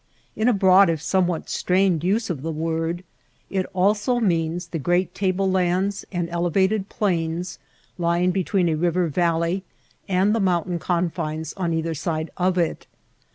In a broad, if somewhat strained use of the word, it also means the great table lands and elevated plains lying be tween a river valley and the mountain confines on either side of it.